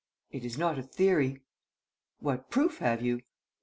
"It is not a theory." "What proof have you?"